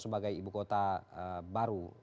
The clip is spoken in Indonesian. sebagai ibu kota baru